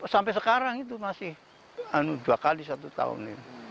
sampai sekarang itu masih dua kali satu tahun